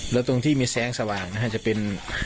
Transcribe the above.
แล้วตรงที่มีแสงสว่างนะฮะจะเป็น